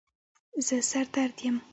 زه سر درد یم